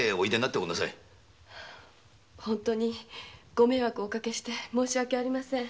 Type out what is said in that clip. ご迷惑をおかけして申し訳ありません。